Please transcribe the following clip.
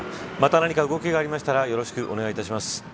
また何か動きがありましたらよろしくお願いします。